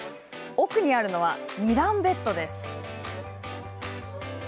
奥にあるのは、２段ベッドです。